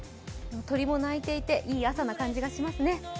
鳥も鳴いていていい朝な感じがしますね。